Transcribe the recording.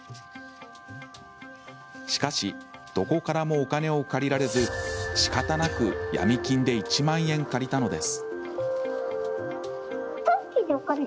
しかし、どこからもお金を借りられずしかたなくヤミ金で１万円借りたのです。